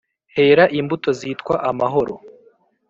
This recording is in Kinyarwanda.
Hera imbuto zitwa amahoro